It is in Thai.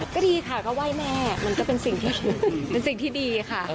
ก็ดีค่ะเขาไหว้แม่มันก็เป็นสิ่งที่ดีค่ะ